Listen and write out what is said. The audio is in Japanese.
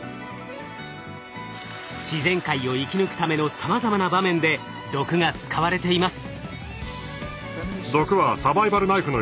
自然界を生き抜くためのさまざまな場面で毒が使われています。